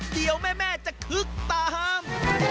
เดี๋ยวแม่จะคึกตาม